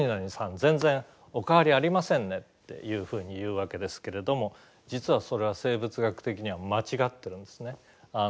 全然お変わりありませんね」っていうふうに言うわけですけれども実はそれは生物学的には間違ってるんですね。